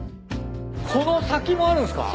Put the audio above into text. この先もあるんすか？